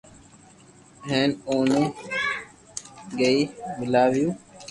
ھين اوني گيي ميلاويو